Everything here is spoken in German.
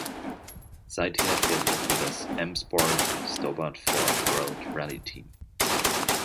Seither fährt er für das M-Sport Stobart Ford World-Rally-Team.